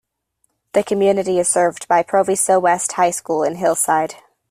The community is served by Proviso West High School in Hillside.